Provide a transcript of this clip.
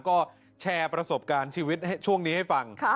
ก็แชร์ประสบการณ์ชีวิตช่วงนี้ให้ฟัง